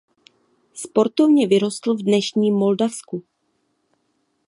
Sportovně vyrostl v dnešním Moldavsku.